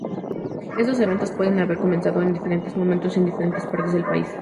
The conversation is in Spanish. Estos eventos pueden haber comenzado en diferentes momentos en diferentes partes del país.